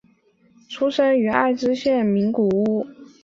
出生于爱知县名古屋市。